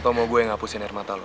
atau mau gue ngapusin air mata lo